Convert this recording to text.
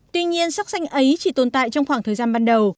tuy nhiên sắc xanh ấy chỉ tồn tại trong khoảng thời gian ban đầu